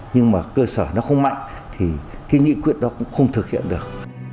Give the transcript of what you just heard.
nhưng mà cơ sở nó không mạnh thì cái nghị quyết đó cũng không thực hiện được